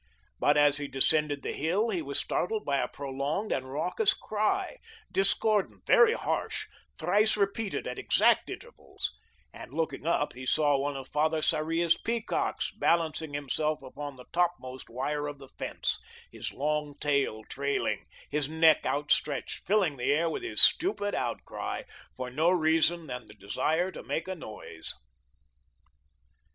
But, as he descended the hill, he was startled by a prolonged and raucous cry, discordant, very harsh, thrice repeated at exact intervals, and, looking up, he saw one of Father Sarria's peacocks balancing himself upon the topmost wire of the fence, his long tail trailing, his neck outstretched, filling the air with his stupid outcry, for no reason than the desire to make a noise.